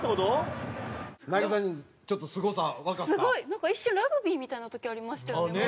なんか一瞬ラグビーみたいな時ありましたよね。